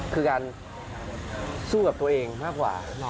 คือการสู้กับตัวเองมากกว่า